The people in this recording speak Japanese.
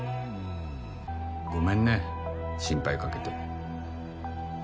ごめんね心配かけて。